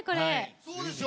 そうですよ！